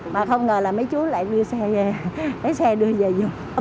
mà không ngờ là mấy chú lại đưa xe về xe đưa về dùm